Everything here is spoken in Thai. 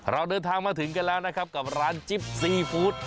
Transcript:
เราเดินทางมาถึงกันแล้วนะครับกับร้านจิ๊บซีฟู้ด